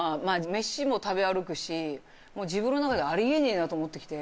飯も食べ歩くし自分の中でありえねえなって思ってきて。